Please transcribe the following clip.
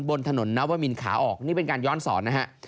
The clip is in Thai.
บนถนนนวมินขาออกนี่เป็นการย้อนสอนนะฮะ